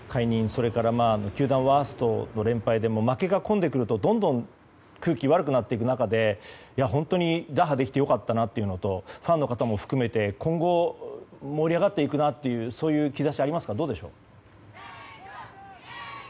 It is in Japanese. それから球団ワーストの連敗で負けがこんでくるとどんどん空気が悪くなる中で本当に打破できて良かったなというのとファンの方も含め今後盛り上がっていく兆しはありますか。